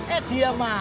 eh dia mau